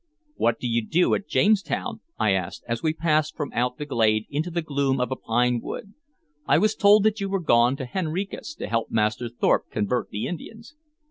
"What do you do at Jamestown?" I asked, as we passed from out the glade into the gloom of a pine wood. "I was told that you were gone to Henricus, to help Master Thorpe convert the Indians."